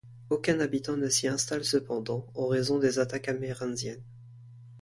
Aucun habitant ne s'y installe cependant, en raison des attaques amérindiennes.